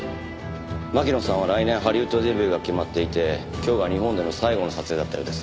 巻乃さんは来年ハリウッドデビューが決まっていて今日が日本での最後の撮影だったようです。